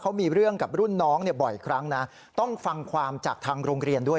เขามีเรื่องกับรุ่นน้องเนี่ยบ่อยครั้งนะต้องฟังความจากทางโรงเรียนด้วย